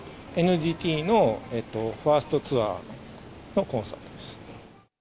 ＮＧＴのファーストツアーのコンサートです。